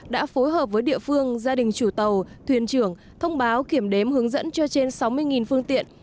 đã phối hợp với địa phương gia đình chủ tàu thuyền trưởng thông báo kiểm đếm hướng dẫn cho trên sáu mươi phương tiện